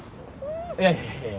いやいやいやいや。